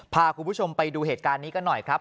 พาคุณผู้ชมไปดูเหตุการณ์นี้กันหน่อยครับ